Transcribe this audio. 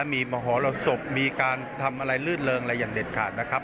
มีมหรสบมีการทำอะไรลื่นเริงอะไรอย่างเด็ดขาดนะครับ